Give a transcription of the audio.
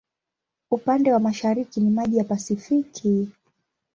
Upande wa mashariki ni maji ya Pasifiki.